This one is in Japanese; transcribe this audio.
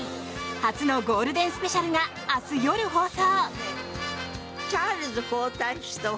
初のゴールデンスペシャルが明日夜放送。